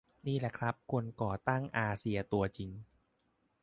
นี่แหละครับคนก่อตั้งอาเซียตัวจริง